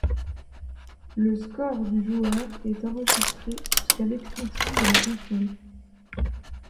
Le score du joueur est enregistré jusqu’à l’extinction de la console.